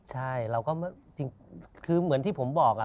ใช่คือเหมือนที่ผมบอกอะ